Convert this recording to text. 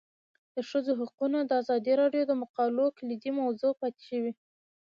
د ښځو حقونه د ازادي راډیو د مقالو کلیدي موضوع پاتې شوی.